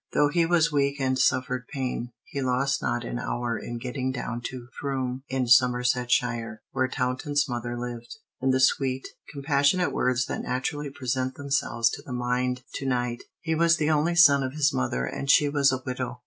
Though he was weak and suffered pain, he lost not an hour in getting down to Frome in Somersetshire, where Taunton's mother lived. In the sweet, compassionate words that naturally present themselves to the mind to night, "he was the only son of his mother, and she was a widow."